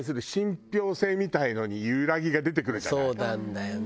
そうなんだよね。